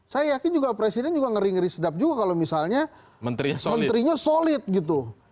saya yakin juga presiden juga ngeri ngeri sedap juga kalau misalnya menterinya solid gitu